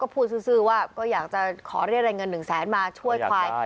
พูดซื้อว่าก็อยากจะขอเรียกรายเงิน๑แสนมาช่วยควาย